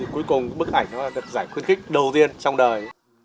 cuối cùng bức ảnh nó là được giải khuyến khích đầu tiên trong đời